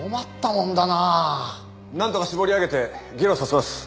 なんとか絞り上げてゲロさせます。